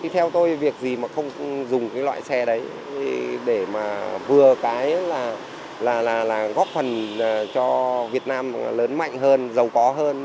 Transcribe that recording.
theo tôi việc gì mà không dùng cái loại xe đấy để mà vừa cái là góp phần cho việt nam lớn mạnh hơn giàu có hơn